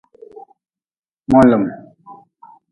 Molm.